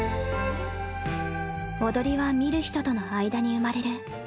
踊りは観る人との間に生まれる。